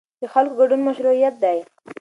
د خلکو ګډون مشروعیت دی